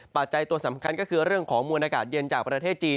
จัยตัวสำคัญก็คือเรื่องของมวลอากาศเย็นจากประเทศจีน